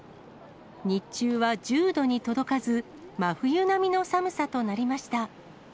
日中は１０度に届かず、真冬並みの寒さとなりました。